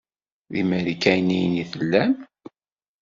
D imarikaniyen i tellam.